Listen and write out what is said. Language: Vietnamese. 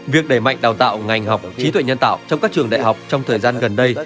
việc đẩy mạnh đào tạo ngành học trí tuệ nhân tạo trong các trường đại học trong thời gian gần đây